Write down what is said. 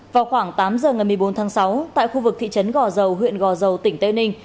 vào khoảng tám giờ ngày một mươi bốn tháng sáu tại khu vực thị trấn gò dầu huyện gò dầu tỉnh tây ninh